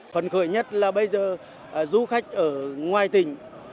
phấn khởi nhất là bây giờ du khách ở ngoài tỉnh